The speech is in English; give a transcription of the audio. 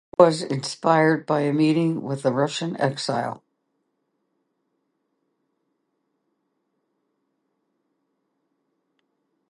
Stoppard was inspired by a meeting with a Russian exile.